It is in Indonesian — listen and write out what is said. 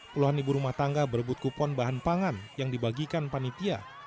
puluhan ibu rumah tangga berebut kupon bahan pangan yang dibagikan panitia